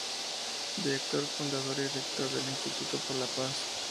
Director fundador y Rector del Instituto por la Paz.